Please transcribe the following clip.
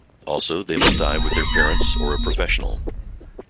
Also they must dive with their parents or a professional.